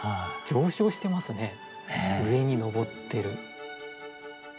上昇してますね上に昇ってる。